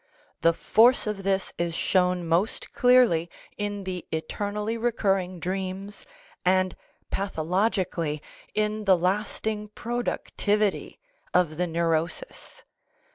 The force of this is shown most clearly in the eternally recurring dreams and pathologically in the lasting productivity of the neurosis.